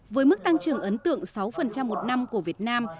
với mức tăng trưởng ấn tượng sáu một năm của việt nam